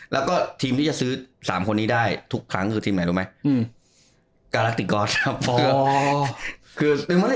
แล้วก็ทีมที่จะซื้อ๓คนนี้ได้ทุกครั้งคือทีมไหนรู้ไหม